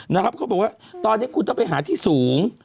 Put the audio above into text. เขาบอกว่าตอนนี้คุณต้องไปหาที่สูง